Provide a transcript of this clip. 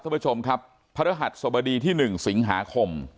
ท่านผู้ชมครับพระรหัสสบดีที่๑สิงหาคม